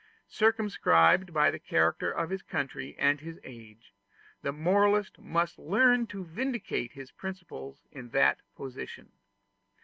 Circumscribed by the character of his country and his age, the moralist must learn to vindicate his principles in that position.